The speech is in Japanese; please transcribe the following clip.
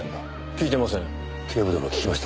聞いてません。